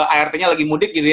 art nya lagi mudik gitu ya